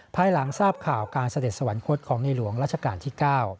ภายหลังทราบข่าวการเสด็จสวรรคตของในหลวงราชการที่๙